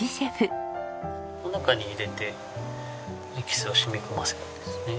この中に入れてエキスを染み込ませるんですね。